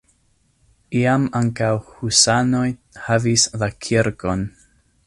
Iam ankaŭ husanoj havis la kirkon.